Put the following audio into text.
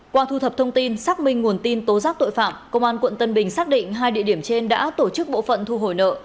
qua thu thập thông tin xác minh nguồn tin tố giác tội phạm công an quận tân bình xác định hai địa điểm trên đã tổ chức bộ phận thu hồi nợ